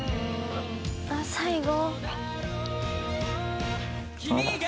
あっ最後。